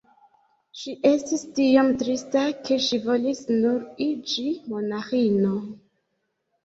Ŝi estis tiom trista ke ŝi volis nur iĝi monaĥino.